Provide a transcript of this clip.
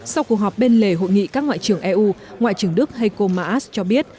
sau cuộc họp bên lề hội nghị các ngoại trưởng eu ngoại trưởng đức heiko maas cho biết